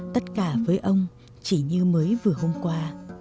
tất cả với ông chỉ như mới vừa hôm qua